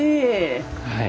はい。